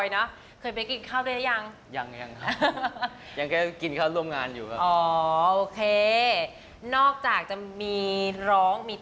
ก็คือเพลงผักชีฮัฟเฟิร์นครับผมฝากด้วยนะครับผม